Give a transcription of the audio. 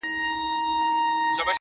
زه هم دعاوي هر ماښام كومه.